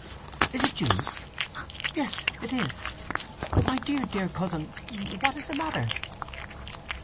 "Is it Jude? Yes, it is! My dear, dear cousin, what's the matter?"